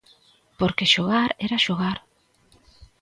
Porque xogar era xogar.